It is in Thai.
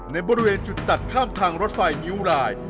ในบริเวณจุดตัดข้ามทางรถไฟงิ้วราย